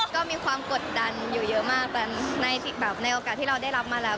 ก็มีความกดดันอยู่เยอะมากแต่ในแบบในโอกาสที่เราได้รับมาแล้ว